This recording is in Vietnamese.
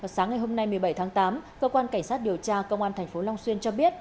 sáng ngày hôm nay một mươi bảy tháng tám cơ quan cảnh sát điều tra công an tp long xuyên cho biết